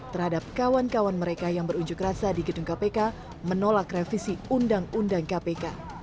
terhadap kawan kawan mereka yang berunjuk rasa di gedung kpk menolak revisi undang undang kpk